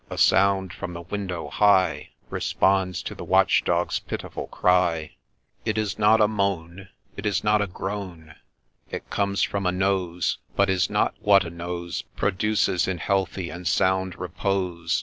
— a sound from the window high Responds to the watch dog's pitiful cry : It is not a moan, It is not a groan : It comes from a nose, — but is not what a nose Produces in healthy and sound repose.